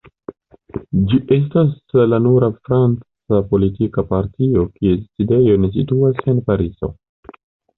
Ĝi estas la nura franca politika partio, kies sidejo ne situas en Parizo.